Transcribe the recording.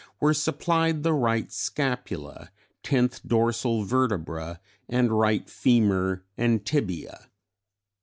were supplied the right scapula, 10th dorsal vertebra, and right femur and tibia.